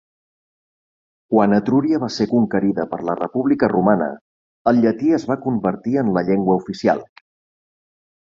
Quan Etruria va ser conquerida per la República romana, el llatí es va convertir en la llengua oficial.